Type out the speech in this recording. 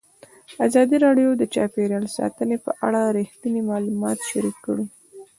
ازادي راډیو د چاپیریال ساتنه په اړه رښتیني معلومات شریک کړي.